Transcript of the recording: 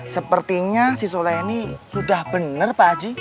sepertinya si soleh ini sudah bener pak ji